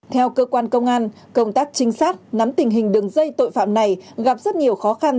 theo cơ quan công an công tác trinh sát nắm tình hình đường dây tội phạm này gặp rất nhiều khó khăn